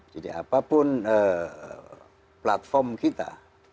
jadi apapun platform kita